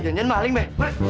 janjan maling be